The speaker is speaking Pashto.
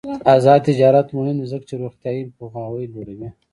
آزاد تجارت مهم دی ځکه چې روغتیايي پوهاوی لوړوي.